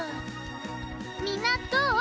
みんなどう？